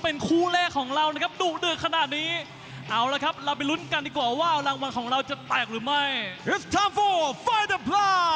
โอ้โหคุณผู้ชมครับ